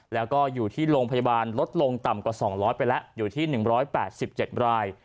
แล้วก็อยู่ที่โรงพยาบาลลดลงต่ำกว่า๒๐๐ไปแล้วอยู่ที่๑๘๗ราย